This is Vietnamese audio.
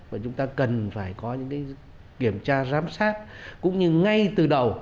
và chúng ta cần phải có những kiểm tra giám sát cũng như ngay từ đầu